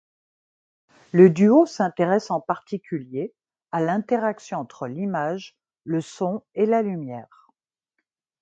Le duo s'intéresse en particulier à l'interaction entre l'image, le son et la lumière.